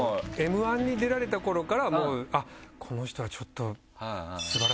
Ｍ−１に出られたころからもうこの人はちょっと。